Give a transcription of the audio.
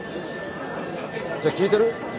じゃあ聞いてる？